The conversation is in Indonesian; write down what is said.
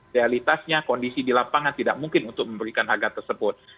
realitasnya kondisi di lapangan tidak mungkin untuk memberikan harga tersebut